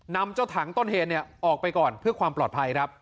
นำเจ้าถังต้นแหนเนี่ยออกไปก่อนเพื่อความปลอดภัยทัก